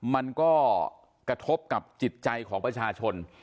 มันก็กระทบกับจิตใจของประชาชน